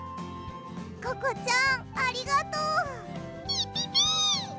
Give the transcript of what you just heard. ココちゃんありがとう！ピピピッ！